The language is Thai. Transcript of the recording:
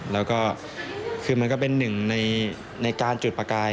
แล้วก็คือมันก็เป็นหนึ่งในการจุดประกาย